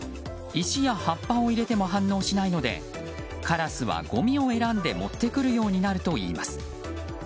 石や葉っぱを入れても反応しないのでカラスはごみを選んで持ってくるようになるといいます。